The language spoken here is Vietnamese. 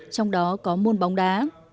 trong đó có môn bóng đá